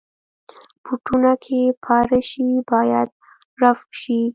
بوټونه که پاره شي، باید رفو شي.